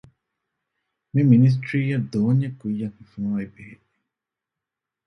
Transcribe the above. މި މިނިސްޓްރީއަށް ދޯންޏެއް ކުއްޔަށް ހިފުމާއި ބެހޭ